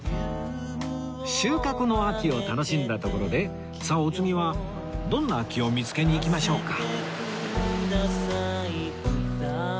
収穫の秋を楽しんだところでさあお次はどんな秋を見つけに行きましょうか？